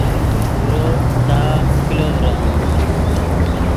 اورو تا کلو ڤرومے